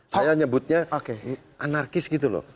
saya nyebutnya anarkis gitu loh